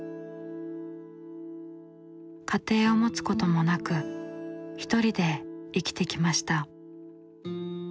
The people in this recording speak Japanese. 家庭を持つこともなく一人で生きてきました。